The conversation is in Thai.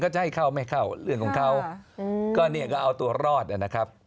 เขาจะให้เข้าไม่เข้าเรื่องของเขาก็เอาตัวรอดนะครับ